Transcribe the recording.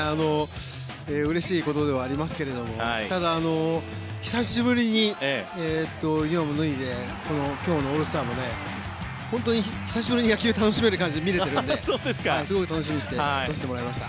うれしいことではありますがただ、久しぶりにユニホームを脱いで今日のオールスターまで本当に久しぶりに野球を楽しめる感じで見れているのですごい楽しみに来させてもらいました。